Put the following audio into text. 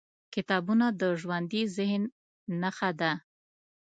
کتابونه د ژوندي ذهن نښه ده.